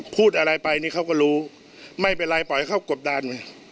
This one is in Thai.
พูดอะไรไปนี่เขาก็รู้ไม่เป็นไรปล่อยให้เขากบดาน